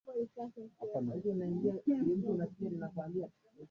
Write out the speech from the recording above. ya kazi hiyo chini ya Kusanyiko kufikia sasa yamekuwa makubwa